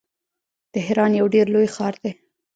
تهران یو ډیر لوی ښار دی.